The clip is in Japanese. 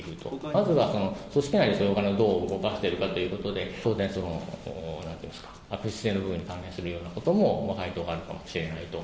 まずは組織内でそのお金をどう動かしているのかということで、当然悪質性の部分に関連するようことも該当があるかもしれないと。